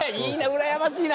うらやましいな。